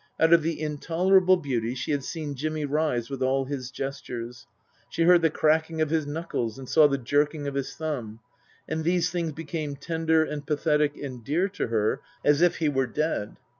Out of the intolerable beauty she had seen Jimmy rise with all his gestures. She heard the cracking of his knuckles and saw the jerking of his thumb. And these things became tender and pathetic and dear to her as if he were dead.